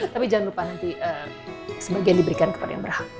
tapi jangan lupa nanti sebagian diberikan kepada yang berhak